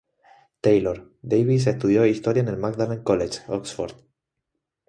Taylor, Davies estudió historia en el Magdalen College, Oxford.